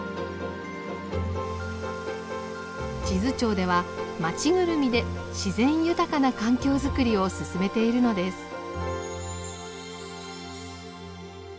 智頭町では町ぐるみで自然豊かな環境づくりを進めているのです。